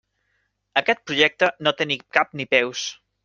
Aquest projecte no té ni cap ni peus.